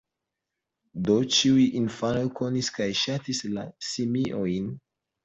Do ĉiuj infanoj konis kaj ŝatis la simiojn.